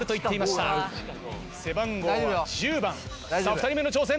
２人目の挑戦。